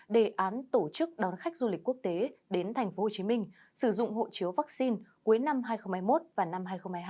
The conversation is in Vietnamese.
đề án tổ chức đón khách du lịch quốc tế đến tp hcm sử dụng hộ chiếu vaccine cuối năm hai nghìn hai mươi một và năm hai nghìn hai mươi hai